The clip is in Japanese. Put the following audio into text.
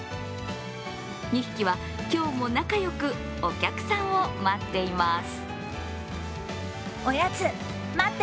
２匹は今日も仲良くお客さんを待っています。